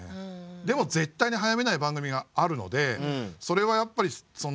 でも絶対に早めない番組があるのでそれはやっぱり面白さだと思います。